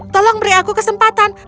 tolong beri aku kesempatan